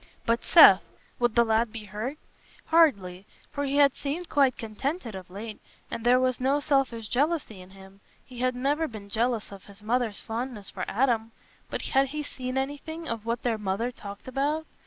But Seth? Would the lad be hurt? Hardly; for he had seemed quite contented of late, and there was no selfish jealousy in him; he had never been jealous of his mother's fondness for Adam. But had he seen anything of what their mother talked about?